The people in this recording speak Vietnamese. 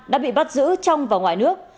đã bị bắt giữ trong và ngoài nước